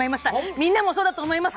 みんなもそうだと思います！